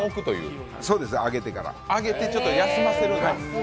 揚げてちょっと休ませるんだ。